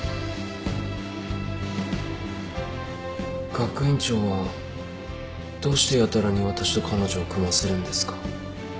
学院長はどうしてやたらに私と彼女を組ませるんですか？